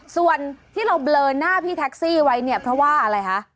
ส่วนที่เราเบลอหน้าพี่แท็กซี่ไว้เนี่ยเพราะว่าอะไรคะ